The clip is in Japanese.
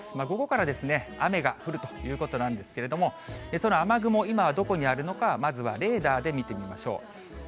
午後から雨が降るということなんですけれども、その雨雲、今はどこにあるのか、まずはレーダーで見てみましょう。